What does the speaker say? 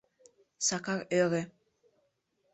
Сакар ӧрӧ...